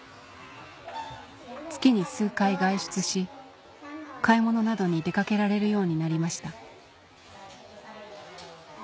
月に数回外出し買い物などに出掛けられるようになりました